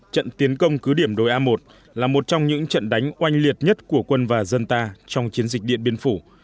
trận tiến công cứ điểm đồi a một là một trong những trận đánh oanh liệt nhất của quân và dân ta trong chiến dịch điện biên phủ